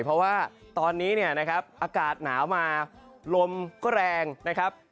เพราะว่าตอนนี้เนี่ยนะครับอากาศหนาวมาลมก็แรงนะครับ